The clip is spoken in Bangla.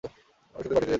আমি শুধু বাড়িতে যেতে চাই।